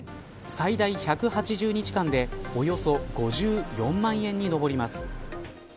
最大１８０日間でおよそ５４万円に上ります。